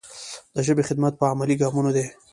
د ژبې خدمت په عملي ګامونو دی.